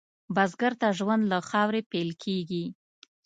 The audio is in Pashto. بزګر ته ژوند له خاورې پېل کېږي